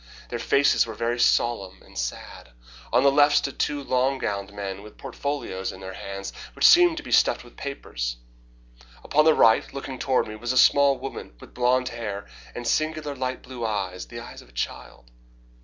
Their faces were very solemn and sad. On the left stood two long gowned men with port folios in their hands, which seemed to be stuffed with papers. Upon the right, looking toward me, was a small woman with blonde hair and singular, light blue eyes the eyes of a child.